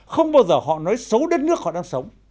không bao giờ họ nói xấu đất nước họ đang sống